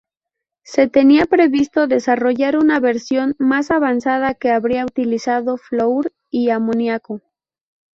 Se tenía previsto desarrollar una versión más avanzada que habría utilizado flúor y amoníaco.